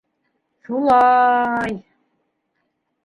Шула-а-й.